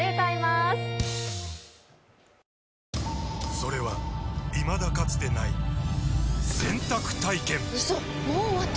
それはいまだかつてない洗濯体験‼うそっ！